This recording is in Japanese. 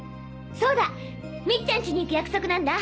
そうだみっちゃん家に行く約束なんだ。